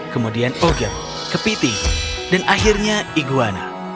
kemudian oget kepiting dan akhirnya iguana